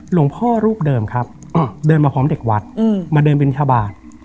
รูปเดิมครับเดินมาพร้อมเด็กวัดมาเดินบินทบาท